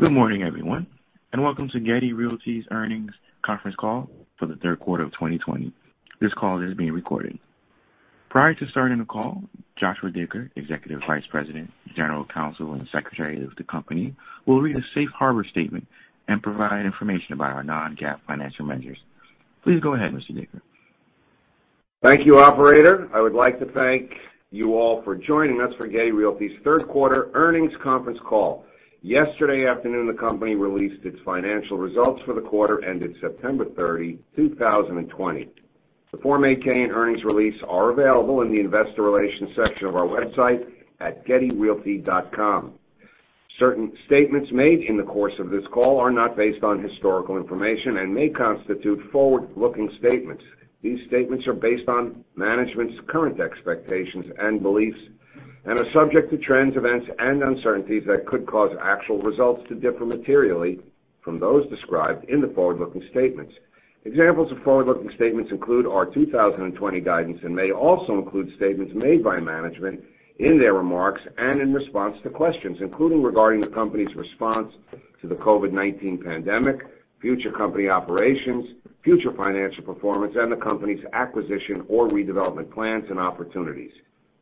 Good morning, everyone, and welcome to Getty Realty's earnings conference call for the third quarter of 2020. This call is being recorded. Prior to starting the call, Joshua Dicker, Executive Vice President, General Counsel, and Secretary of the company, will read a safe harbor statement and provide information about our non-GAAP financial measures. Please go ahead, Mr. Dicker. Thank you, operator. I would like to thank you all for joining us for Getty Realty's third quarter earnings conference call. Yesterday afternoon, the company released its financial results for the quarter ended September 30, 2020. The Form 8-K and earnings release are available in the Investor Relations section of our website at gettyrealty.com. Certain statements made in the course of this call are not based on historical information and may constitute forward-looking statements. These statements are based on management's current expectations and beliefs and are subject to trends, events, and uncertainties that could cause actual results to differ materially from those described in the forward-looking statements. Examples of forward-looking statements include our 2020 guidance and may also include statements made by management in their remarks and in response to questions, including regarding the company's response to the COVID-19 pandemic, future company operations, future financial performance, and the company's acquisition or redevelopment plans and opportunities.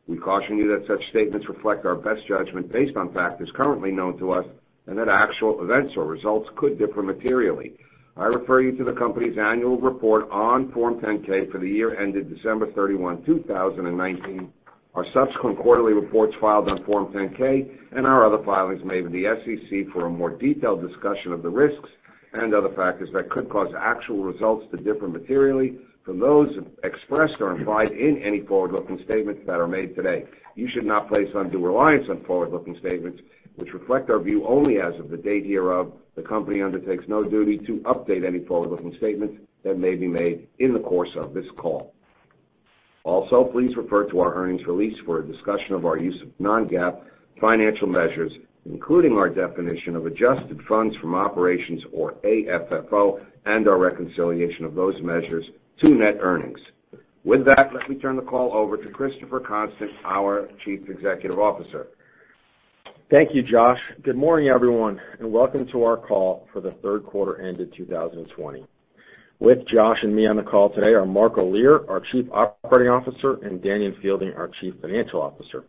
We caution you that such statements reflect our best judgment based on factors currently known to us, and that actual events or results could differ materially. I refer you to the company's annual report on Form 10-K for the year ended December 31, 2019, our subsequent quarterly reports filed on Form 10-K, and our other filings made with the SEC for a more detailed discussion of the risks and other factors that could cause actual results to differ materially from those expressed or implied in any forward-looking statements that are made today. You should not place undue reliance on forward-looking statements, which reflect our view only as of the date hereof. The company undertakes no duty to update any forward-looking statements that may be made in the course of this call. Please refer to our earnings release for a discussion of our use of non-GAAP financial measures, including our definition of Adjusted Funds From Operations, or AFFO, and our reconciliation of those measures to net earnings. With that, let me turn the call over to Christopher Constant, our Chief Executive Officer. Thank you, Josh. Good morning, everyone, welcome to our call for the third quarter ended 2020. With Josh and me on the call today are Mark Olear, our Chief Operating Officer, and Danion Fielding, our Chief Financial Officer.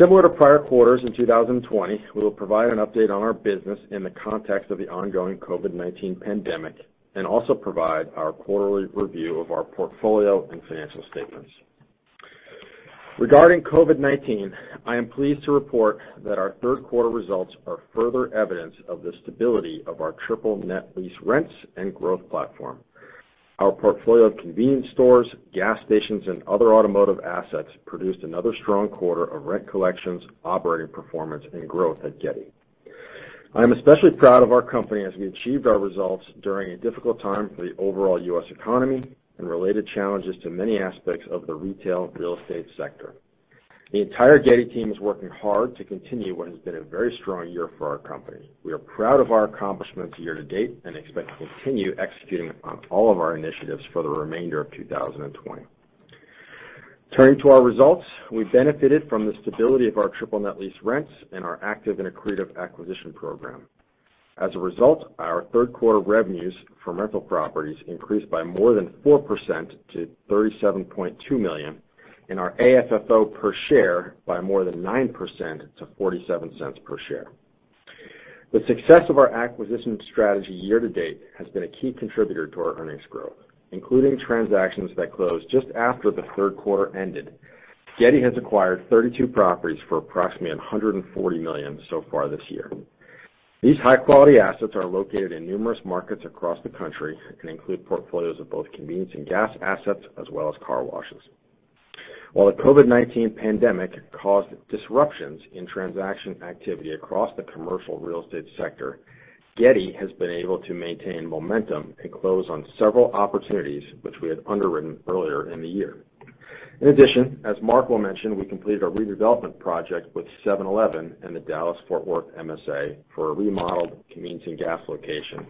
Similar to prior quarters in 2020, we will provide an update on our business in the context of the ongoing COVID-19 pandemic and also provide our quarterly review of our portfolio and financial statements. Regarding COVID-19, I am pleased to report that our third quarter results are further evidence of the stability of our triple net lease rents and growth platform. Our portfolio of convenience stores, gas stations, and other automotive assets produced another strong quarter of rent collections, operating performance, and growth at Getty. I am especially proud of our company as we achieved our results during a difficult time for the overall U.S. economy and related challenges to many aspects of the retail real estate sector. The entire Getty team is working hard to continue what has been a very strong year for our company. We are proud of our accomplishments year-to-date and expect to continue executing on all of our initiatives for the remainder of 2020. Turning to our results, we benefited from the stability of our triple net lease rents and our active and accretive acquisition program. As a result, our third quarter revenues from rental properties increased by more than 4% to $37.2 million and our AFFO per share by more than 9% to $0.47 per share. The success of our acquisition strategy year-to-date has been a key contributor to our earnings growth, including transactions that closed just after the third quarter ended. Getty has acquired 32 properties for approximately $140 million so far this year. These high-quality assets are located in numerous markets across the country and include portfolios of both convenience and gas assets, as well as car washes. While the COVID-19 pandemic caused disruptions in transaction activity across the commercial real estate sector, Getty has been able to maintain momentum and close on several opportunities which we had underwritten earlier in the year. In addition, as Mark will mention, we completed our redevelopment project with 7-Eleven in the Dallas-Fort Worth MSA for a remodeled convenience and gas location,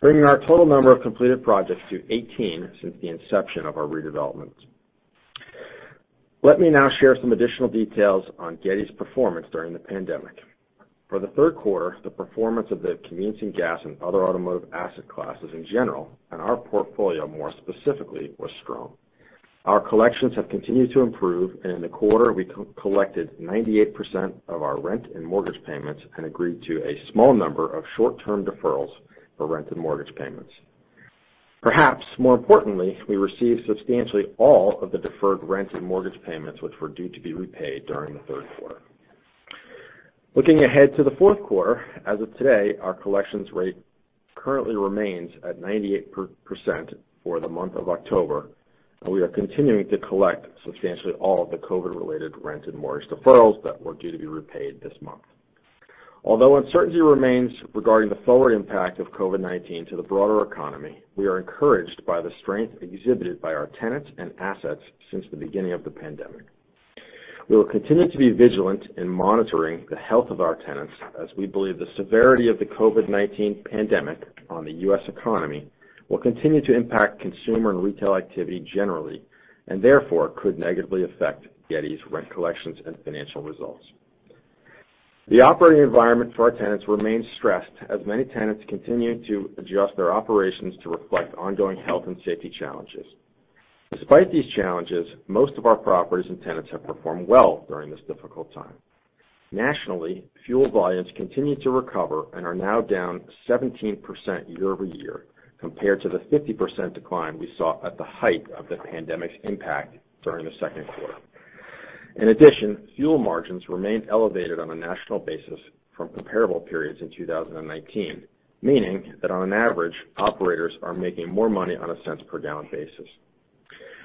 bringing our total number of completed projects to 18 since the inception of our redevelopment. Let me now share some additional details on Getty's performance during the pandemic. For the third quarter, the performance of the convenience and gas and other automotive asset classes in general, and our portfolio more specifically, was strong. Our collections have continued to improve, and in the quarter, we collected 98% of our rent and mortgage payments and agreed to a small number of short-term deferrals for rent and mortgage payments. Perhaps more importantly, we received substantially all of the deferred rent and mortgage payments which were due to be repaid during the third quarter. Looking ahead to the fourth quarter, as of today, our collections rate currently remains at 98% for the month of October, and we are continuing to collect substantially all of the COVID-related rent and mortgage deferrals that were due to be repaid this month. Although uncertainty remains regarding the forward impact of COVID-19 to the broader economy, we are encouraged by the strength exhibited by our tenants and assets since the beginning of the pandemic. We will continue to be vigilant in monitoring the health of our tenants as we believe the severity of the COVID-19 pandemic on the U.S. economy will continue to impact consumer and retail activity generally, and therefore could negatively affect Getty's rent collections and financial results. The operating environment for our tenants remains stressed as many tenants continue to adjust their operations to reflect ongoing health and safety challenges. Despite these challenges, most of our properties and tenants have performed well during this difficult time. Nationally, fuel volumes continue to recover and are now down 17% year-over-year compared to the 50% decline we saw at the height of the pandemic's impact during the second quarter. In addition, fuel margins remained elevated on a national basis from comparable periods in 2019, meaning that on average, operators are making more money on a cents per gallon basis.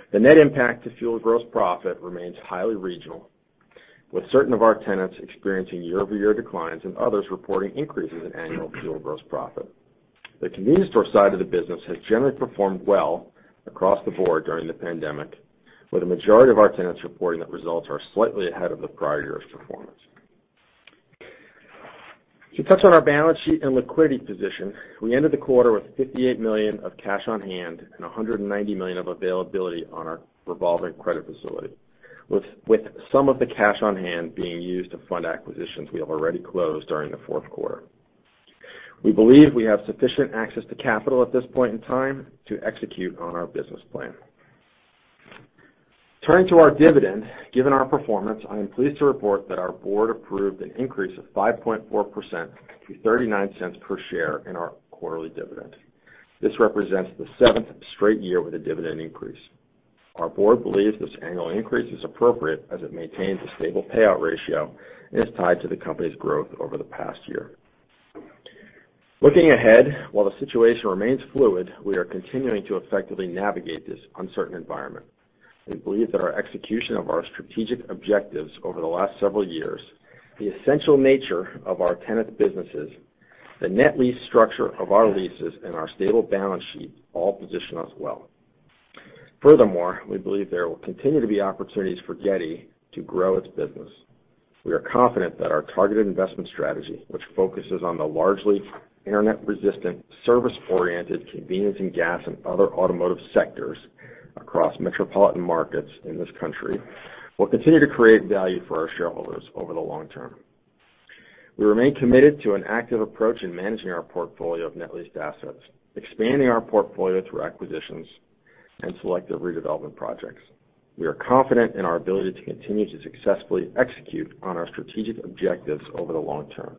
The net impact to fuel gross profit remains highly regional, with certain of our tenants experiencing year-over-year declines and others reporting increases in annual fuel gross profit. The convenience store side of the business has generally performed well across the board during the pandemic, with a majority of our tenants reporting that results are slightly ahead of the prior year's performance. To touch on our balance sheet and liquidity position, we ended the quarter with $58 million of cash on hand and $190 million of availability on our revolving credit facility, with some of the cash on hand being used to fund acquisitions we have already closed during the fourth quarter. We believe we have sufficient access to capital at this point in time to execute on our business plan. Turning to our dividend, given our performance, I am pleased to report that our board approved an increase of 5.4% to $0.39 per share in our quarterly dividend. This represents the seventh straight year with a dividend increase. Our board believes this annual increase is appropriate as it maintains a stable payout ratio and is tied to the company's growth over the past year. Looking ahead, while the situation remains fluid, we are continuing to effectively navigate this uncertain environment. We believe that our execution of our strategic objectives over the last several years, the essential nature of our tenant businesses, the net lease structure of our leases, and our stable balance sheet all position us well. Furthermore, we believe there will continue to be opportunities for Getty to grow its business. We are confident that our targeted investment strategy, which focuses on the largely internet-resistant, service-oriented, convenience and gas, and other automotive sectors across metropolitan markets in this country, will continue to create value for our shareholders over the long term. We remain committed to an active approach in managing our portfolio of net leased assets, expanding our portfolio through acquisitions, and selective redevelopment projects. We are confident in our ability to continue to successfully execute on our strategic objectives over the long term.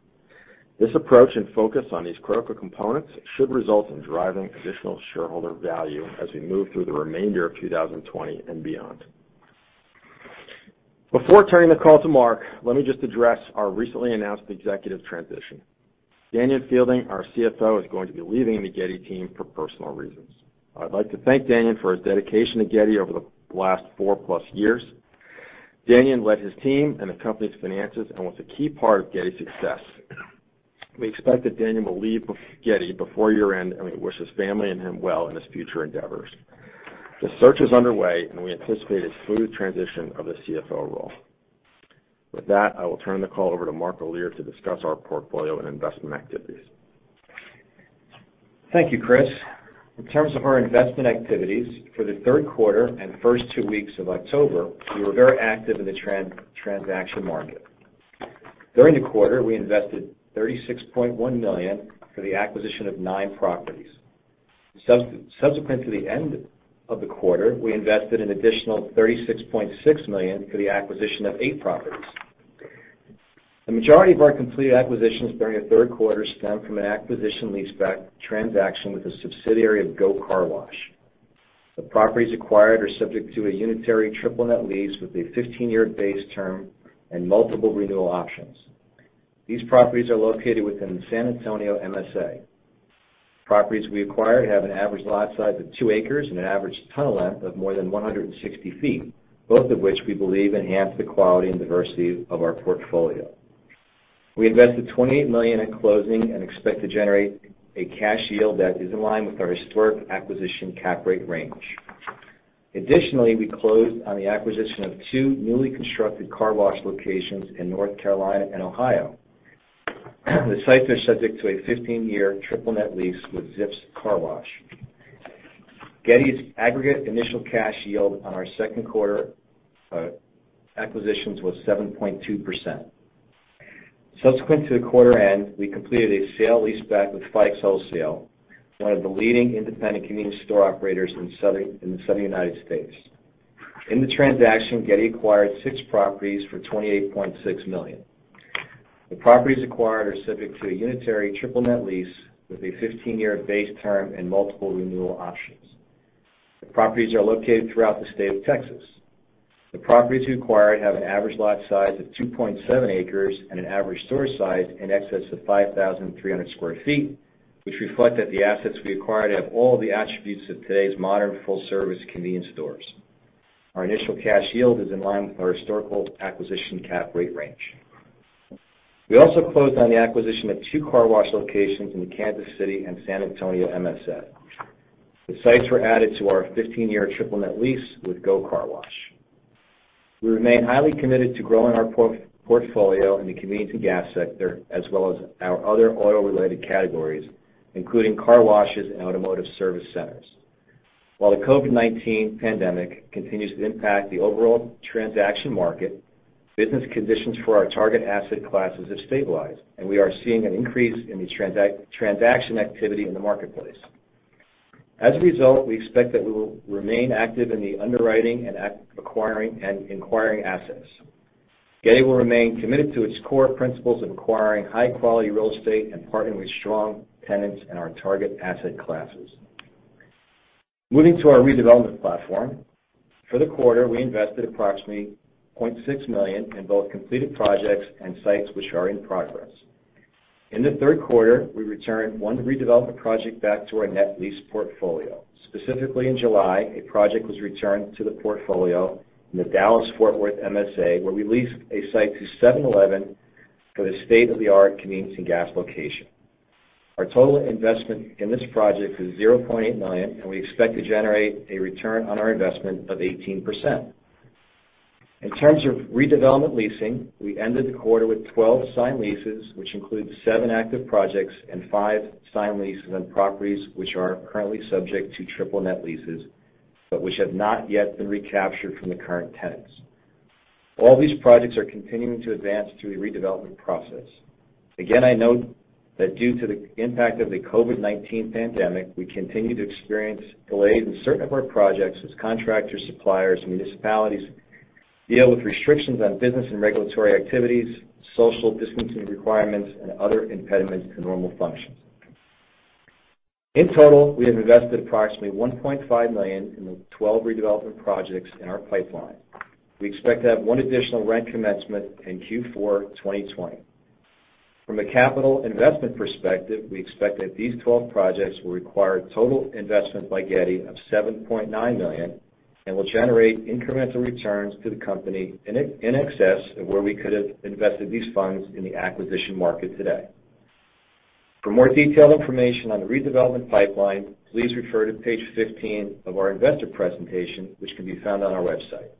This approach and focus on these critical components should result in driving additional shareholder value as we move through the remainder of 2020 and beyond. Before turning the call to Mark, let me just address our recently announced executive transition. Danion Fielding, our CFO, is going to be leaving the Getty team for personal reasons. I'd like to thank Danion for his dedication to Getty over the last four-plus years. Danion led his team and the company's finances and was a key part of Getty's success. We expect that Danion will leave Getty before year-end, and we wish his family and him well in his future endeavors. The search is underway and we anticipate a smooth transition of the CFO role. With that, I will turn the call over to Mark Olear to discuss our portfolio and investment activities. Thank you, Chris. In terms of our investment activities for the third quarter and first two weeks of October, we were very active in the transaction market. During the quarter, we invested $36.1 million for the acquisition of nine properties. Subsequent to the end of the quarter, we invested an additional $36.6 million for the acquisition of eight properties. The majority of our completed acquisitions during the third quarter stemmed from an acquisition leaseback transaction with a subsidiary of GO Car Wash. The properties acquired are subject to a unitary triple net lease with a 15-year base term and multiple renewal options. These properties are located within the San Antonio MSA. Properties we acquired have an average lot size of two acres and an average tunnel length of more than 160 feet, both of which we believe enhance the quality and diversity of our portfolio. We invested $28 million in closing and expect to generate a cash yield that is in line with our historic acquisition cap rate range. Additionally, we closed on the acquisition of two newly constructed car wash locations in North Carolina and Ohio. The sites are subject to a 15-year triple net lease with ZIPS Car Wash. Getty's aggregate initial cash yield on our second quarter acquisitions was 7.2%. Subsequent to the quarter end, we completed a sale-leaseback with Fikes Wholesale, one of the leading independent convenience store operators in the Southern United States. In the transaction, Getty acquired six properties for $28.6 million. The properties acquired are subject to a unitary triple net lease with a 15-year base term and multiple renewal options. The properties are located throughout the state of Texas. The properties acquired have an average lot size of 2.7 acres and an average store size in excess of 5,300 sq ft, which reflect that the assets we acquired have all the attributes of today's modern full-service convenience stores. Our initial cash yield is in line with our historical acquisition cap rate range. We also closed on the acquisition of two car wash locations in Kansas City and San Antonio MSA. The sites were added to our 15-year triple net lease with GO Car Wash. We remain highly committed to growing our portfolio in the convenience and gas sector, as well as our other oil-related categories, including car washes and automotive service centers. While the COVID-19 pandemic continues to impact the overall transaction market, business conditions for our target asset classes have stabilized, and we are seeing an increase in the transaction activity in the marketplace. As a result, we expect that we will remain active in the underwriting and acquiring and inquiring assets. Getty will remain committed to its core principles of acquiring high-quality real estate and partnering with strong tenants in our target asset classes. Moving to our redevelopment platform. For the quarter, we invested approximately $0.6 million in both completed projects and sites which are in progress. In the third quarter, we returned one redevelopment project back to our net lease portfolio. Specifically, in July, a project was returned to the portfolio in the Dallas-Fort Worth MSA, where we leased a site to 7-Eleven for the state-of-the-art convenience and gas location. Our total investment in this project is $0.8 million, and we expect to generate a return on our investment of 18%. In terms of redevelopment leasing, we ended the quarter with 12 signed leases, which includes seven active projects and five signed leases on properties which are currently subject to triple net leases, but which have not yet been recaptured from the current tenants. All these projects are continuing to advance through the redevelopment process. Again, I note that due to the impact of the COVID-19 pandemic, we continue to experience delays in certain of our projects as contractors, suppliers, and municipalities deal with restrictions on business and regulatory activities, social distancing requirements, and other impediments to normal functions. In total, we have invested approximately $1.5 million in the 12 redevelopment projects in our pipeline. We expect to have one additional rent commencement in Q4 2020. From a capital investment perspective, we expect that these 12 projects will require total investment by Getty of $7.9 million and will generate incremental returns to the company in excess of where we could have invested these funds in the acquisition market today. For more detailed information on the redevelopment pipeline, please refer to page 15 of our investor presentation, which can be found on our website.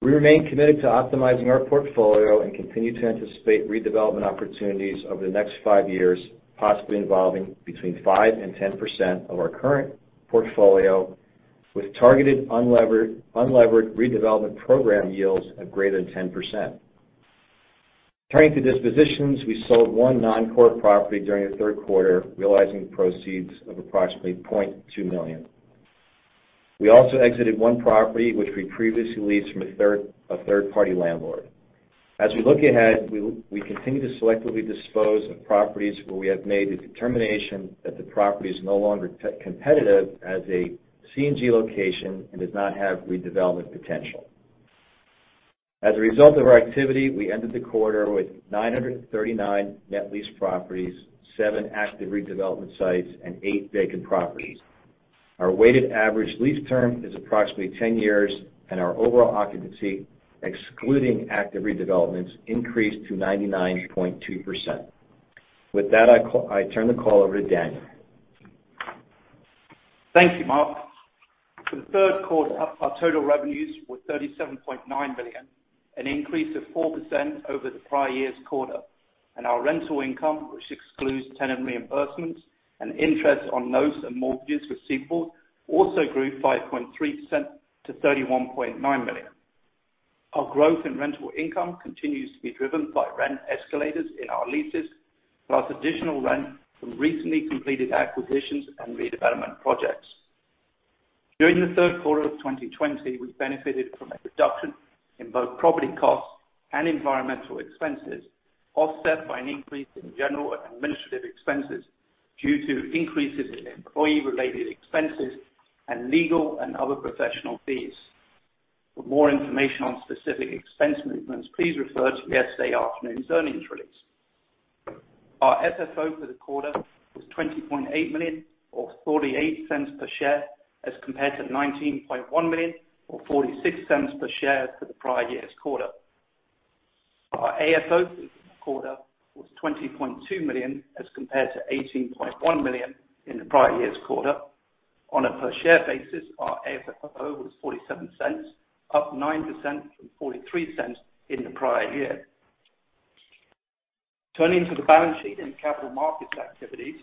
We remain committed to optimizing our portfolio and continue to anticipate redevelopment opportunities over the next five years, possibly involving between 5% and 10% of our current portfolio, with targeted unlevered redevelopment program yields of greater than 10%. Turning to dispositions, we sold one non-core property during the third quarter, realizing proceeds of approximately $0.2 million. We also exited one property which we previously leased from a third-party landlord. As we look ahead, we continue to selectively dispose of properties where we have made the determination that the property is no longer competitive as a C&G location and does not have redevelopment potential. As a result of our activity, we ended the quarter with 939 net leased properties, seven active redevelopment sites, and eight vacant properties. Our weighted average lease term is approximately 10 years, and our overall occupancy, excluding active redevelopments, increased to 99.2%. With that, I turn the call over to Danion. Thank you, Mark. For the third quarter, our total revenues were $37.9 million, an increase of 4% over the prior year's quarter. Our rental income, which excludes tenant reimbursements and interest on notes and mortgages receivable, also grew 5.3% to $31.9 million. Our growth in rental income continues to be driven by rent escalators in our leases, plus additional rent from recently completed acquisitions and redevelopment projects. During the third quarter of 2020, we benefited from a reduction in both property costs and environmental expenses, offset by an increase in general and administrative expenses due to increases in employee-related expenses and legal and other professional fees. For more information on specific expense movements, please refer to yesterday afternoon's earnings release. Our FFO for the quarter was $20.8 million or $0.48 per share as compared to $19.1 million or $0.46 per share for the prior year's quarter. Our AFFO for the quarter was $20.2 million as compared to $18.1 million in the prior year's quarter. On a per share basis, our AFFO was $0.47, up 9% from $0.43 in the prior year. Turning to the balance sheet and capital markets activities.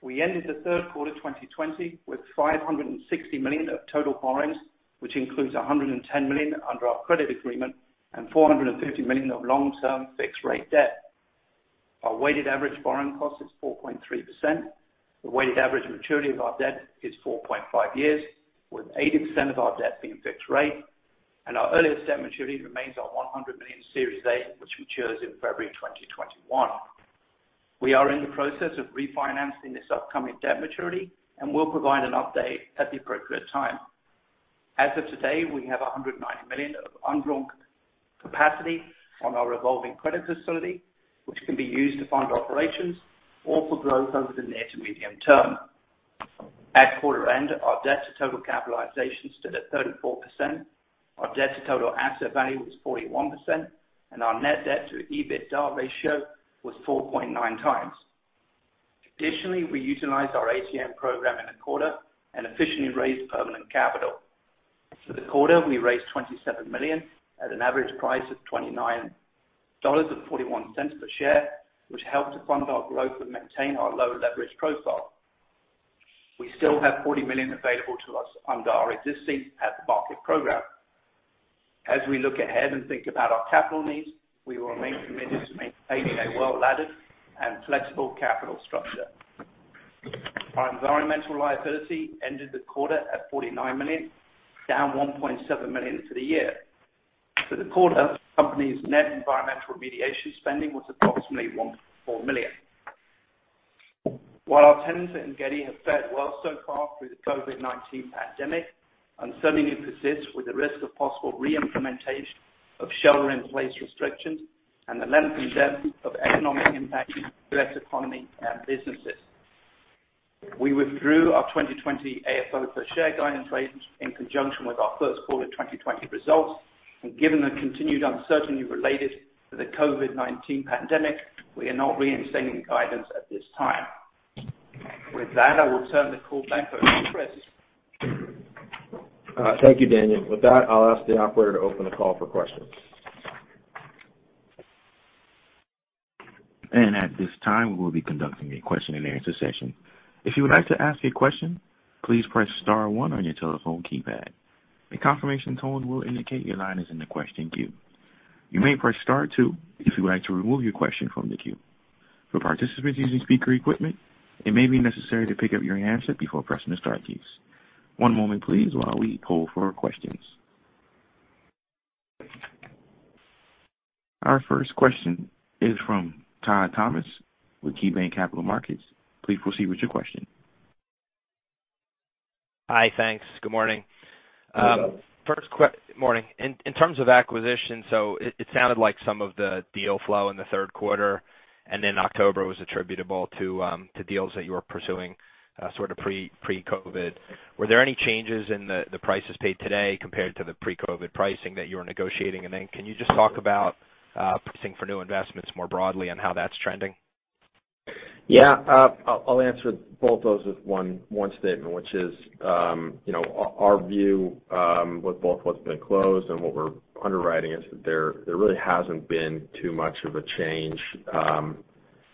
We ended the third quarter 2020 with $560 million of total borrowings, which includes $110 million under our credit agreement and $450 million of long-term fixed-rate debt. Our weighted average borrowing cost is 4.3%. The weighted average maturity of our debt is 4.5 years, with 80% of our debt being fixed rate, and our earliest debt maturity remains our $100 million Series A, which matures in February 2021. We are in the process of refinancing this upcoming debt maturity and will provide an update at the appropriate time. As of today, we have $190 million of undrawn capacity on our revolving credit facility, which can be used to fund our operations or for growth over the near to medium term. At quarter end, our debt to total capitalization stood at 34%. Our debt to total asset value was 41%, our net debt to EBITDA ratio was 4.9x. Additionally, we utilized our ATM program in the quarter and efficiently raised permanent capital. For the quarter, we raised $27 million at an average price of $29.41 per share, which helped to fund our growth and maintain our low leverage profile. We still have $40 million available to us under our existing at-the-market program. As we look ahead and think about our capital needs, we will remain committed to maintaining a well-laddered and flexible capital structure. Our environmental liability ended the quarter at $49 million, down $1.7 million for the year. For the quarter, the company's net environmental remediation spending was approximately $1.4 million. While our tenants at Getty have fared well so far through the COVID-19 pandemic, uncertainty persists with the risk of possible re-implementation of shelter-in-place restrictions and the length and depth of economic impact to the U.S. economy and businesses. We withdrew our 2020 AFFO per share guidance rate in conjunction with our first quarter 2020 results. Given the continued uncertainty related to the COVID-19 pandemic, we are not reinstating guidance at this time. With that, I will turn the call back over to Chris. Thank you, Danion. With that, I'll ask the operator to open the call for questions. At this time, we will be conducting a question-and-answer session. One moment, please, while we poll for questions. Our first question is from Todd Thomas with KeyBanc Capital Markets. Please proceed with your question. Hi, thanks. Good morning. Good morning. Morning. In terms of acquisitions, it sounded like some of the deal flow in the third quarter and in October was attributable to deals that you were pursuing sort of pre-COVID. Were there any changes in the prices paid today compared to the pre-COVID pricing that you were negotiating? Can you just talk about pricing for new investments more broadly and how that's trending? Yeah. I'll answer both those with one statement, which is our view with both what's been closed and what we're underwriting is that there really hasn't been too much of a change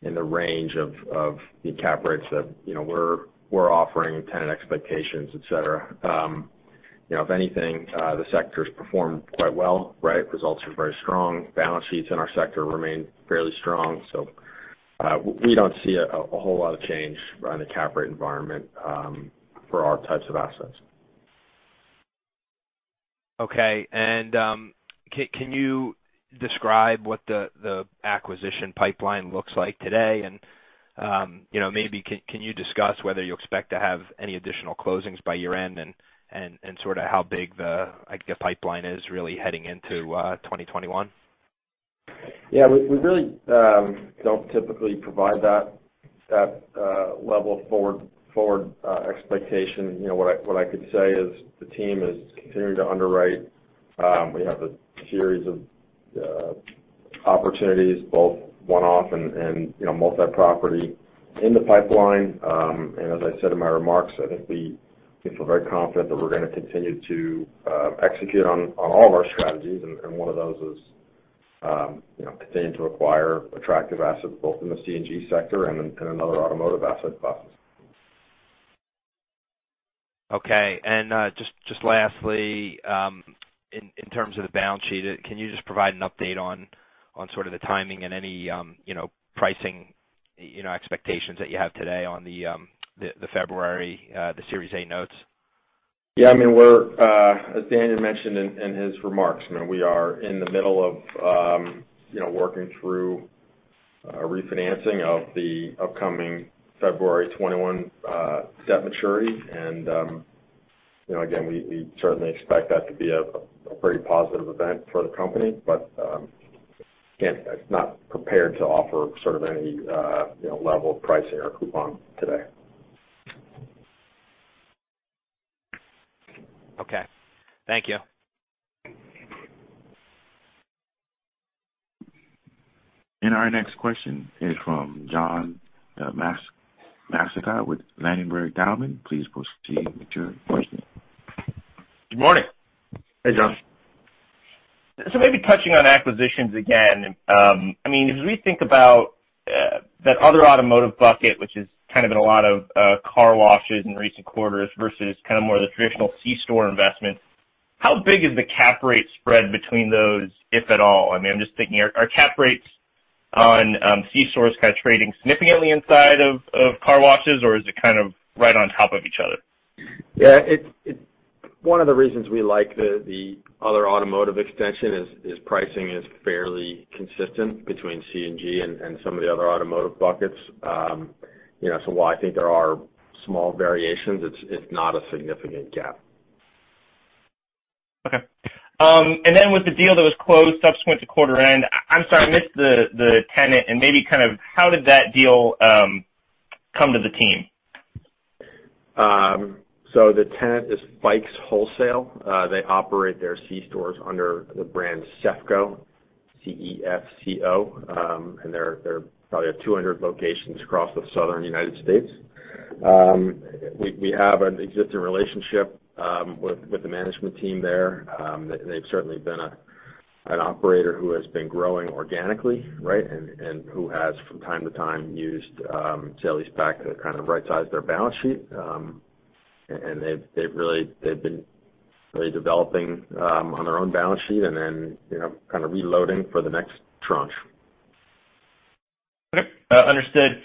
in the range of the cap rates that we're offering tenant expectations, et cetera. If anything, the sector's performed quite well, right? Results are very strong. Balance sheets in our sector remain fairly strong. We don't see a whole lot of change in the cap rate environment for our types of assets. Okay. Can you describe what the acquisition pipeline looks like today? Maybe can you discuss whether you expect to have any additional closings by year-end and sort of how big the pipeline is really heading into 2021? Yeah. We really don't typically provide that level of forward expectation. What I could say is the team is continuing to underwrite. We have a series of opportunities, both one-off and multi-property in the pipeline. As I said in my remarks, I think we feel very confident that we're gonna continue to execute on all of our strategies, and one of those is continuing to acquire attractive assets both in the C&G sector and in other automotive asset classes. Okay. Just lastly, in terms of the balance sheet, can you just provide an update on sort of the timing and any pricing expectations that you have today on the February, the Series A notes? As Danion mentioned in his remarks, we are in the middle of working through a refinancing of the upcoming February 2021 debt maturity. Again, we certainly expect that to be a very positive event for the company. Again, not prepared to offer sort of any level of pricing or coupon today. Okay. Thank you. Our next question is from John Massocca with Ladenburg Thalmann. Please proceed with your question. Good morning. Hey, John. Maybe touching on acquisitions again. As we think about that other automotive bucket, which has kind of been a lot of car washes in recent quarters versus kind of more the traditional C store investments, how big is the cap rate spread between those, if at all? I'm just thinking, are cap rates on C stores kind of trading significantly inside of car washes, or is it kind of right on top of each other? Yeah. One of the reasons we like the other automotive extension is pricing is fairly consistent between C&G and some of the other automotive buckets. While I think there are small variations, it's not a significant gap. Okay. With the deal that was closed subsequent to quarter end, I'm sorry, I missed the tenant and maybe kind of how did that deal come to the team? The tenant is Fikes Wholesale. They operate their C-stores under the brand CEFCO, C-E-F-C-O. They probably have 200 locations across the Southern U.S. We have an existing relationship with the management team there. They've certainly been an operator who has been growing organically, right? Who has from time to time used sale-leaseback to kind of right size their balance sheet. They've been really developing on their own balance sheet and then kind of reloading for the next tranche. Okay. Understood.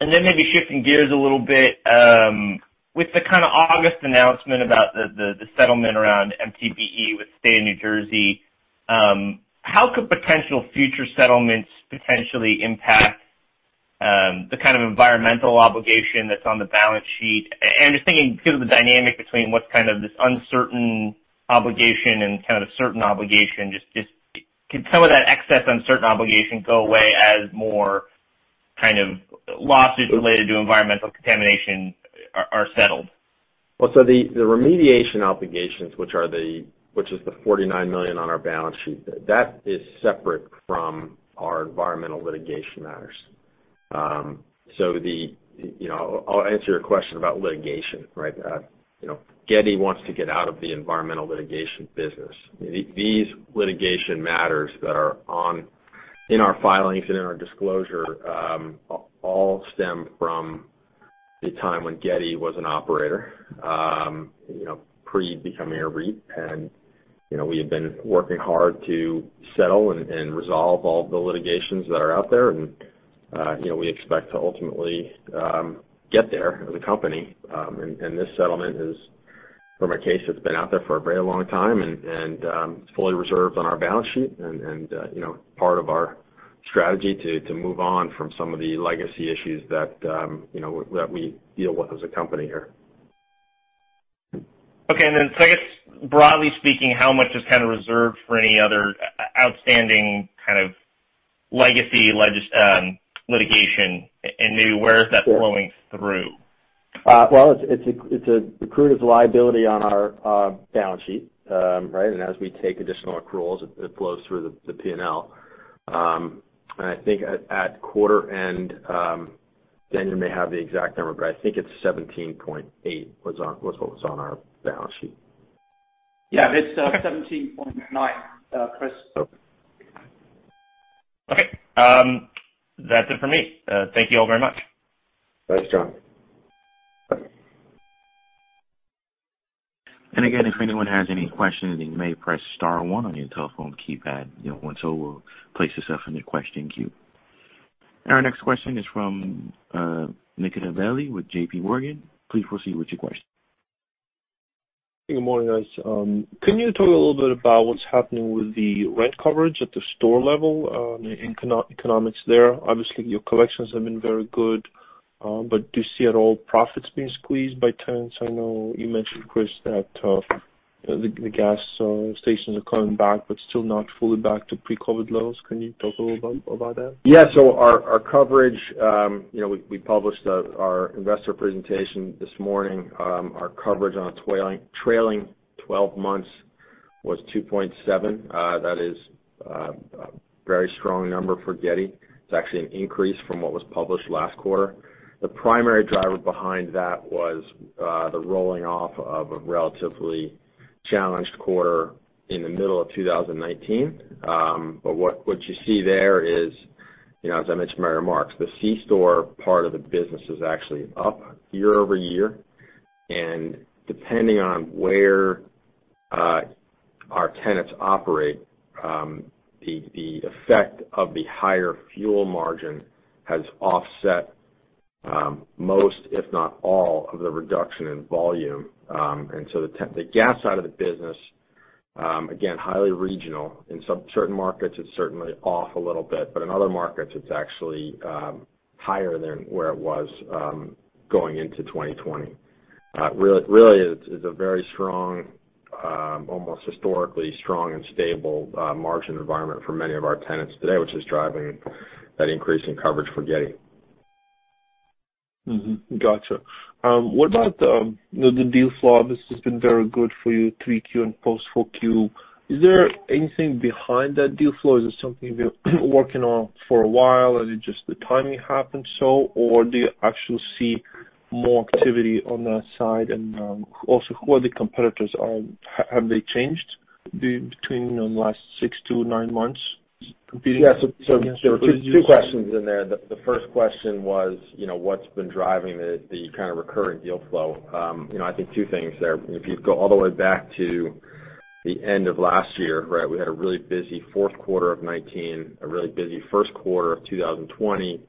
Maybe shifting gears a little bit, with the kind of August announcement about the settlement around MTBE with the State of New Jersey, how could potential future settlements potentially impact the kind of environmental obligation that's on the balance sheet? Just thinking because of the dynamic between what's kind of this uncertain obligation and kind of certain obligation, just could some of that excess uncertain obligation go away as more kind of lawsuits related to environmental contamination are settled? The remediation obligations, which is the $49 million on our balance sheet, that is separate from our environmental litigation matters. I'll answer your question about litigation, right? Getty wants to get out of the environmental litigation business. These litigation matters that are on in our filings and in our disclosure, all stem from the time when Getty was an operator pre becoming a REIT. We had been working hard to settle and resolve all the litigations that are out there. We expect to ultimately get there as a company. This settlement is from a case that's been out there for a very long time and fully reserved on our balance sheet and part of our strategy to move on from some of the legacy issues that we deal with as a company here. Okay. I guess broadly speaking, how much is reserved for any other outstanding legacy litigation, and maybe where is that flowing through? Well, it's accrued as a liability on our balance sheet, right? As we take additional accruals, it flows through the P&L. I think at quarter end, Danion may have the exact number, but I think it's $17.8 was what was on our balance sheet. Yeah, it's 17.9, Chris. Okay. That's it for me. Thank you all very much. Thanks, John. Again, if anyone has any questions, you may press star one on your telephone keypad, and so will place yourself in the question queue. Our next question is from Nikita Bely with JPMorgan. Please proceed with your question. Good morning, guys. Can you talk a little bit about what's happening with the rent coverage at the store level, the economics there? Obviously, your collections have been very good. Do you see at all profits being squeezed by tenants? I know you mentioned, Chris, that the gas stations are coming back, but still not fully back to pre-COVID-19 levels. Can you talk a little about that? Our coverage, we published our investor presentation this morning. Our coverage on a trailing 12 months was 2.7. That is a very strong number for Getty. It's actually an increase from what was published last quarter. The primary driver behind that was the rolling off of a relatively challenged quarter in the middle of 2019. What you see there is, as I mentioned in my remarks, the C store part of the business is actually up year-over-year. Depending on where our tenants operate, the effect of the higher fuel margin has offset most, if not all, of the reduction in volume. The gas side of the business, again, highly regional. In certain markets, it's certainly off a little bit, but in other markets, it's actually higher than where it was going into 2020. Really is a very strong, almost historically strong and stable margin environment for many of our tenants today, which is driving that increase in coverage for Getty. Got you. What about the deal flow? This has been very good for you, 3Q and post 4Q. Is there anything behind that deal flow? Is it something you've been working on for a while? Is it just the timing happened so? Do you actually see more activity on that side? Also who are the competitors? Have they changed between the last six to nine months competing against? Yeah. Two questions in there. The first question was what's been driving the kind of recurring deal flow. I think two things there. If you go all the way back to the end of last year, right, we had a really busy fourth quarter of 2019, a really busy first quarter of 2020,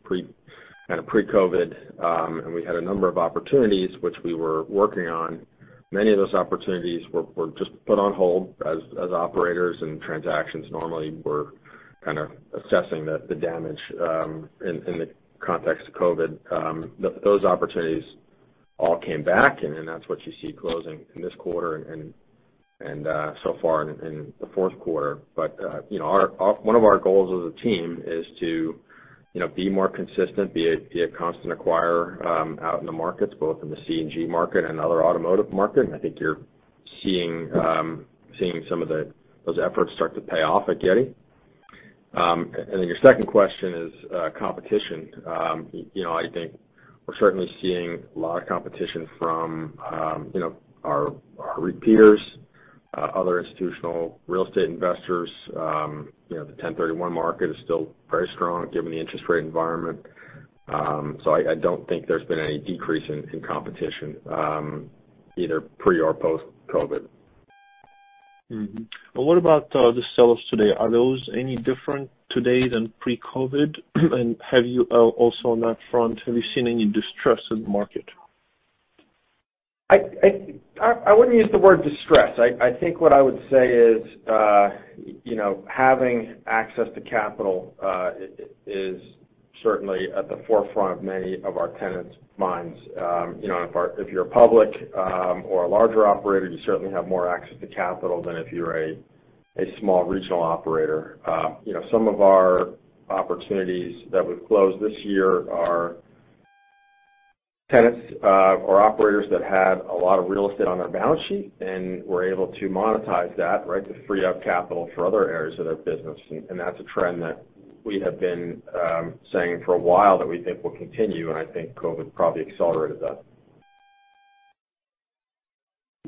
kind of pre-COVID-19. We had a number of opportunities which we were working on. Many of those opportunities were just put on hold as operators and transactions normally were kind of assessing the damage in the context of COVID-19. Those opportunities all came back, and that's what you see closing in this quarter and so far in the fourth quarter. One of our goals as a team is to be more consistent, be a constant acquirer out in the markets, both in the C&G market and other automotive market, and I think you're seeing some of those efforts start to pay off at Getty. Your second question is competition. I think we're certainly seeing a lot of competition from our REPE peers, other institutional real estate investors. The 1031 market is still very strong given the interest rate environment. I don't think there's been any decrease in competition, either pre or post-COVID. What about the sellers today? Are those any different today than pre-COVID? Also on that front, have you seen any distress in the market? I wouldn't use the word distress. I think what I would say is, having access to capital is certainly at the forefront of many of our tenants' minds. If you're a public or a larger operator, you certainly have more access to capital than if you're a small regional operator. Some of our opportunities that we've closed this year are tenants or operators that had a lot of real estate on their balance sheet and were able to monetize that, right, to free up capital for other areas of their business. That's a trend that we have been saying for a while that we think will continue, and I think COVID probably accelerated that.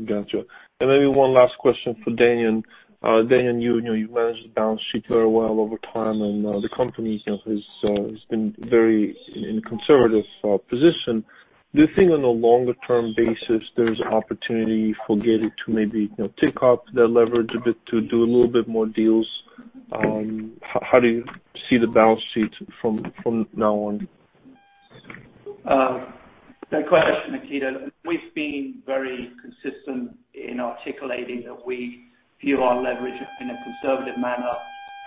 Got you. Maybe one last question for Danion. Danion, you've managed the balance sheet very well over time, and the company has been very in a conservative position. Do you think on a longer-term basis, there's opportunity for Getty to maybe tick up their leverage a bit to do a little bit more deals? How do you see the balance sheet from now on? Good question, Nikita. We've been very consistent in articulating that we view our leverage in a conservative manner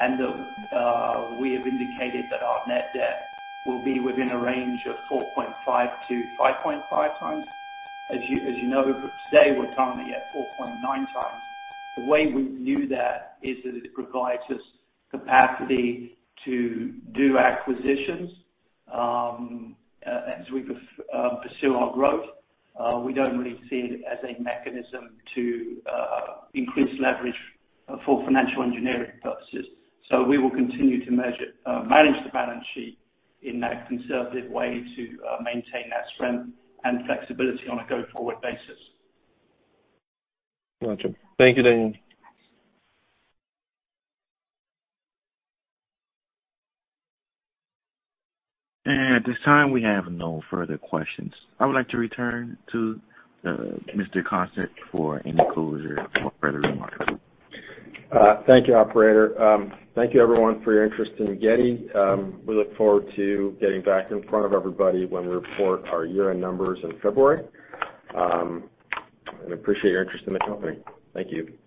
and that we have indicated that our net debt will be within a range of 4.5x-5.5x. As you know, today we're currently at 4.9x. The way we view that is that it provides us capacity to do acquisitions as we pursue our growth. We don't really see it as a mechanism to increase leverage for financial engineering purposes. We will continue to manage the balance sheet in that conservative way to maintain that strength and flexibility on a go-forward basis. Got you. Thank you, Danion. At this time, we have no further questions. I would like to return to Mr. Constant for any closure or further remarks. Thank you, operator. Thank you everyone for your interest in Getty. We look forward to getting back in front of everybody when we report our year-end numbers in February. Appreciate your interest in the company. Thank you. Bye.